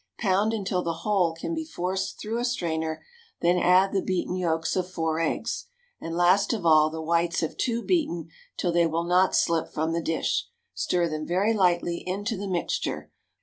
Pound until the whole can be forced through a strainer, then add the beaten yolks of four eggs, and last of all the whites of two beaten till they will not slip from the dish; stir them very lightly into the mixture.